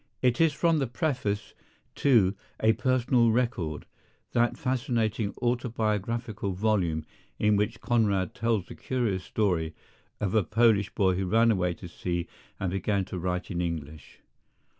It is from the preface to A Personal Record, that fascinating autobiographical volume in which Conrad tells the curious story of a Polish boy who ran away to sea and began to write in English.